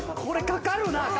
これかかるな。